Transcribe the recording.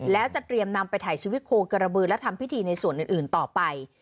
แล้วจะเตรียมนำไปถ่ายชีวิตโคกระบือและทำพิธีในส่วนอื่นต่อไป